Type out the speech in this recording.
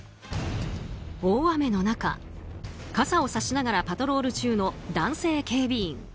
大雨の中、傘をさしながらパトロール中の男性警備員。